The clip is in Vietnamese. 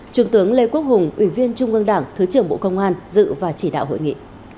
trung tướng lê quốc hùng ủy viên trung ương đảng thứ trưởng bộ công an dự và chỉ đạo hội nghị